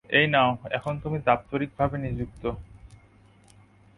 এই নাও এখন তুমি দাপ্তরিকভাবে নিযুক্ত।